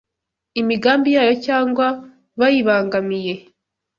imigambi ya Yo cyangwa bayibangamiye